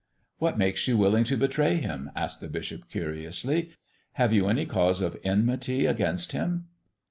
"What makes you willing to betray Him?" asked the bishop, curiously. "Have you any cause of enmity against Him?"